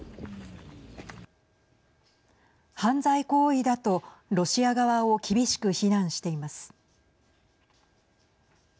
犯罪行為だとロシア側を厳しく非難しています。